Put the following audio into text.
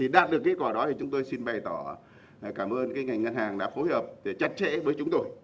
đạt được kết quả đó thì chúng tôi xin bày tỏ cảm ơn ngành ngân hàng đã phối hợp chặt chẽ với chúng tôi